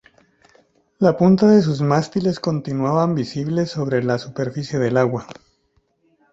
La punta de sus mástiles, continuaban visibles sobre la superficie del agua.